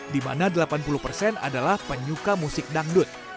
di mana delapan puluh persen adalah penyuka musik dangdut